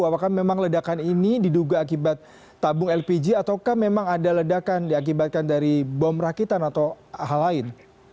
apakah memang ledakan ini diduga akibat tabung lpg ataukah memang ada ledakan diakibatkan dari bom rakitan atau hal lain